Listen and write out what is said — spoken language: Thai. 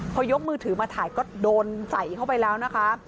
พอยกมือถือมาถ่ายก็โดนใส่เข้าไปแล้วนะคะ